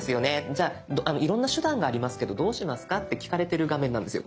じゃあいろんな手段がありますけどどうしますか？」って聞かれてる画面なんですよ